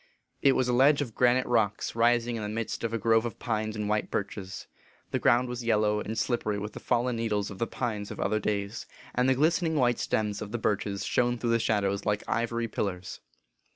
It was a ledge of granite rocks rising in the midst of a grove of pines and white birches. The ground was yellow and slippery with the fallen needles of the pines of other days, and the glistening white stems of the birches shone through the shado ws like ivory pillars.